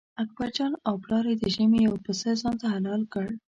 اکبرجان او پلار یې د ژمي یو پسه ځانته حلال کړ.